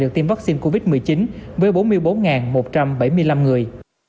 được tiêm vaccine covid một mươi chín với bốn mươi bốn một trăm bảy mươi năm người